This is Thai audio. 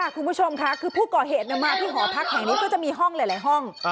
คุณผู้ชมค่ะคือผู้ก่อเหตุมาที่หอพักแห่งนี้ก็จะมีห้องหลายห้อง